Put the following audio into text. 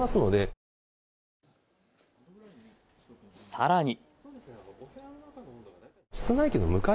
さらに。